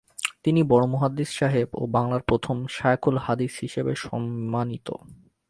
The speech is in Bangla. তিনি বড় মুহাদ্দিস সাহেব ও বাংলার প্রথম শায়খুল হাদিস হিসেবে সম্মানিত।